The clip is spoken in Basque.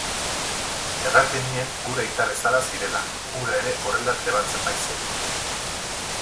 Erraten nien gure aita bezala zirela, hura ere horrela trebatzen baitzen!